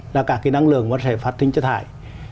là cả cái năng lượng nó sẽ phát sinh cho thái